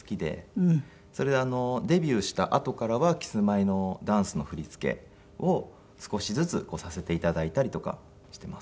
それでデビューしたあとからはキスマイのダンスの振り付けを少しずつさせて頂いたりとかしています。